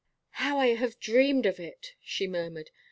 "How I have dreamed of it," she murmured.